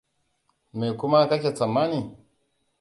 Me kuma kake tsammani?